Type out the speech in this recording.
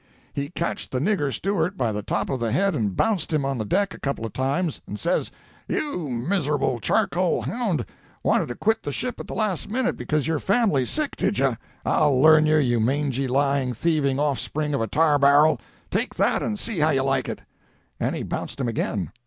He catched the nigger steward by the top of the head and bounced him on the deck a couple of times, and says: "You miserable charcoal hound! Wanted to quit the ship at the last minute, because your family's sick, did you! I'll learn you, you mangy, lying, thieving, off spring of a tar barrel! Take that, and see how you like it!" "And he bounced him again.